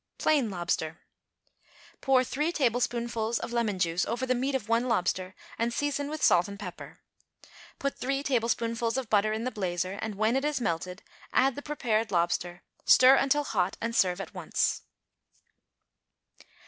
=Plain Lobster.= Pour three tablespoonfuls of lemon juice over the meat of one lobster and season with salt and pepper. Put three tablespoonfuls of butter in the blazer, and, when it is melted, add the prepared lobster; stir until hot and serve at once.